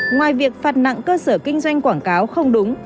ngoài việc phạt nặng cơ sở kinh doanh quảng cáo không đúng